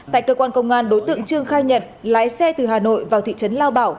tại cơ quan công an đối tượng trương khai nhận lái xe từ hà nội vào thị trấn lao bảo